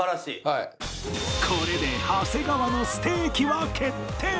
これで長谷川のステーキは決定！